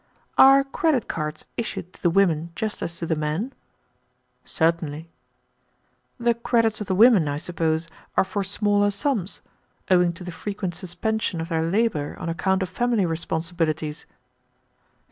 "Are credit cards issued to the women just as to the men?" "Certainly." "The credits of the women, I suppose, are for smaller sums, owing to the frequent suspension of their labor on account of family responsibilities."